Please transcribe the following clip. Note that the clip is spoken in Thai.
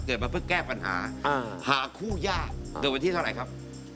เกิดมาเพื่อแก้ปัญหาหาคู่ยากเกิดวันที่เท่าไหร่ครับ